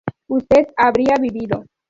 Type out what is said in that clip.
usted habría vivido